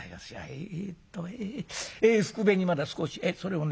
えっとふくべにまだ少しそれをね